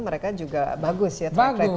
mereka juga bagus ya track record nya